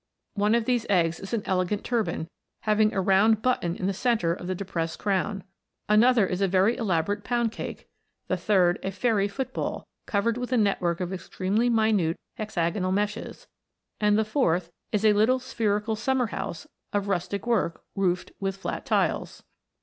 One of these eggs is an elegant turban, having a round button in the centre of the depressed crown ; another is a very elaborate pound cake ; the third a fairy foot ball, covered with a network of extremely minute hexagonal meshes ; and the fourth is a little spherical summer house of rustic work roofed with flat tiles.